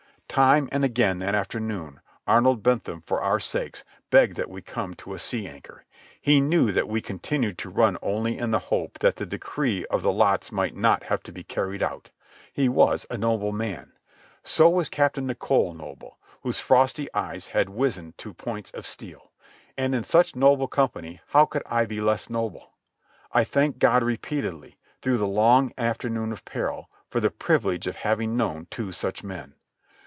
Time and again, that afternoon, Arnold Bentham, for our sakes, begged that we come to a sea anchor. He knew that we continued to run only in the hope that the decree of the lots might not have to be carried out. He was a noble man. So was Captain Nicholl noble, whose frosty eyes had wizened to points of steel. And in such noble company how could I be less noble? I thanked God repeatedly, through that long afternoon of peril, for the privilege of having known two such men.